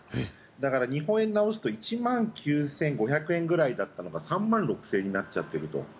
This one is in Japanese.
だから日本円に直すと１万９５００円くらいだったのが３万６０００円になっちゃっていると。